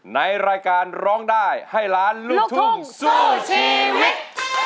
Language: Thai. ในรายการร้องได้ให้ล้านลูกทุ่งสู้ชีวิต